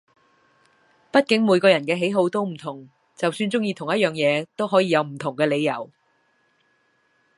畢竟每個人嘅喜好都唔同，就算中意同一樣嘢都可以有唔同嘅理由